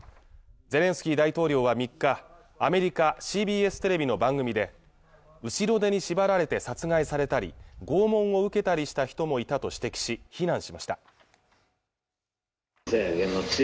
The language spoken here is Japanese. ゼレンスキー大統領は３日アメリカＣＢＳテレビの番組で後ろ手に縛られて殺害されたり拷問を受けたりした人もいたと指摘し非難しました